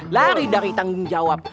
lari dari tanggung jawab